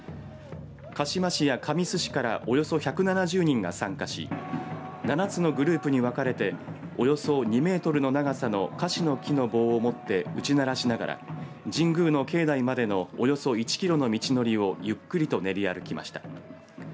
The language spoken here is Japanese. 鹿嶋市や神栖市からおよそ１７０人が参加し７つのグループに分かれておよそ２メートルの長さのかしの木の棒を持って打ち鳴らしながら神宮の境内までのおよそ１キロの道のりをゆっくりと練り歩きました。